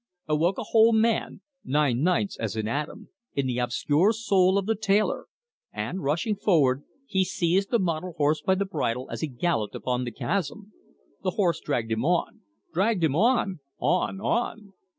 "Awoke a whole man nine ninths, as in Adam in the obscure soul of the tailor, and, rushing forward, he seized the mottled horse by the bridle as he galloped upon the chasm: The horse dragged him on dragged him on on on.